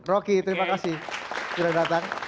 roky terima kasih sudah datang